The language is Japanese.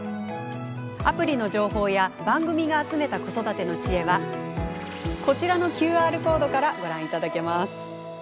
アプリの情報や番組が集めた子育てのチエはこちらのＱＲコードからご覧いただけます。